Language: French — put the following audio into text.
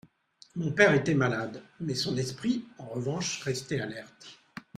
Mon père était malade, mais son esprit, en revanche, restait alerte.